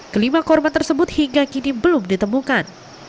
kelima korban tersebut hingga kini belum ditemukan